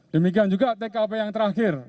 demikian juga tkp yang terakhir